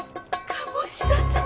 鴨志田さん。